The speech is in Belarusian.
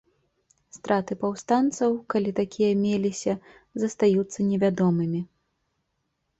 Страты паўстанцаў, калі такія меліся, застаюцца невядомымі.